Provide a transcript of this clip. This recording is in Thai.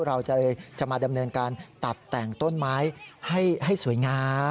เราจะมาดำเนินการตัดแต่งต้นไม้ให้สวยงาม